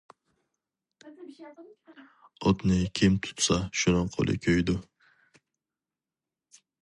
ئوتنى كىم تۇتسا شۇنىڭ قولى كۆيىدۇ.